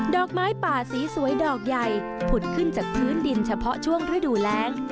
อกไม้ป่าสีสวยดอกใหญ่ผุดขึ้นจากพื้นดินเฉพาะช่วงฤดูแรง